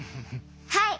はい。